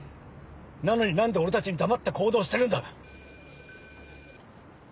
なのに何で俺たちに黙って行動してるんだ。